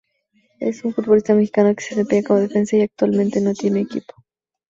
Es un futbolista mexicano que se desempeña como Defensa y actualmente no tiene equipo.